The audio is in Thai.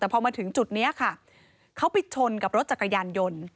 แต่พอมาถึงจุดนี้ค่ะเขาไปชนกับรถจักรยานยนต์